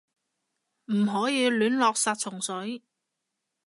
唔可以亂落殺蟲水